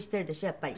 やっぱり。